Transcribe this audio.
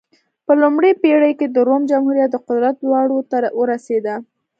په لومړۍ پېړۍ کې د روم جمهوري د قدرت لوړو ته ورسېده.